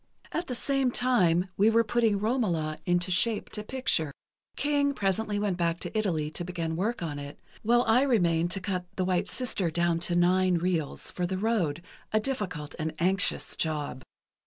At the same time we were putting 'Romola' into shape to picture. King presently went back to Italy to begin work on it, while I remained to cut 'The White Sister' down to nine reels, for the road, a difficult and anxious job."